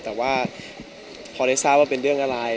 แต่ว่าพอได้ทราบว่าเป็นเรื่องอะไร